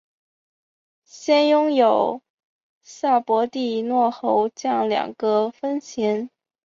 先后拥有萨博蒂诺侯爵两个封衔。